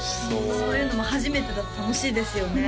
そういうのも初めてだと楽しいですよね